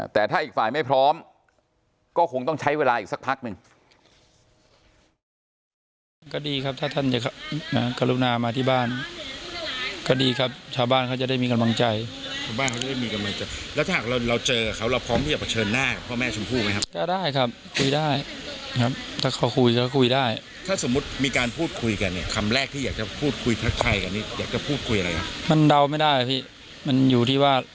แต่ถ้าอีกฝ่ายไม่พร้อมก็คงต้องใช้เวลาอีกสักพักหนึ่ง